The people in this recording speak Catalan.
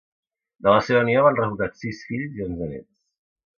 De la seva unió van resultar sis fills i onze néts.